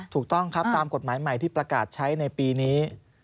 ถูกต้องครับตามกฎหมายใหม่ที่ประกาศใช้ในปีนี้